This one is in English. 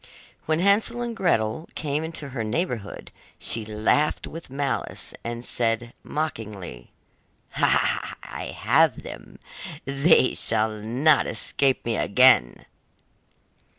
When Hansel and Gretel came into her neighbourhood, she laughed with malice, and said mockingly: 'I have them, they shall not escape me again!